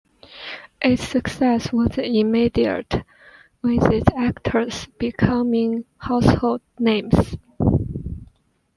Its success was immediate, with its actors becoming household names.